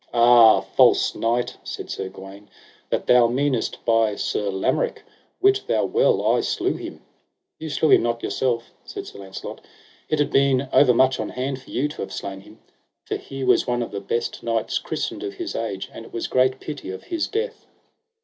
Ah, false knight, said Sir Gawaine, that thou meanest by Sir Lamorak: wit thou well I slew him. Ye slew him not yourself, said Sir Launcelot; it had been overmuch on hand for you to have slain him, for he was one of the best knights christened of his age, and it was great pity of his death.